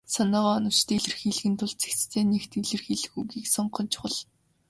Санаагаа оновчтой илэрхийлэхийн тулд цэгцтэй, нягт илэрхийлэх үгийг сонгох нь чухал.